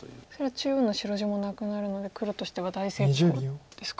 中央の白地もなくなるので黒としては大成功ですか。